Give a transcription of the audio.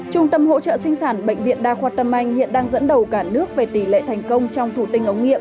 trung tâm hỗ trợ sinh sản bệnh viện đa khoa tâm anh hiện đang dẫn đầu cả nước về tỷ lệ thành công trong thù tinh ống nghiệm